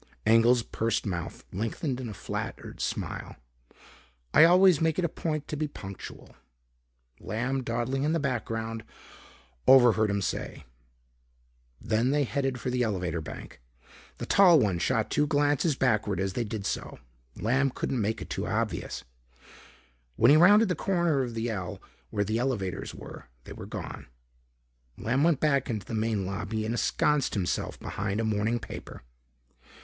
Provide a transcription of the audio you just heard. Engel's pursed mouth lengthened in a flattered smile. "I always make it a point to be punctual," Lamb dawdling in the background, overheard him say. Then they headed for the elevator bank. The tall one shot two glances backward as they did so Lamb couldn't make it too obvious. When he rounded the corner of the ell where the elevators were, they were gone. Lamb went back into the main lobby and ensconced himself behind a morning paper.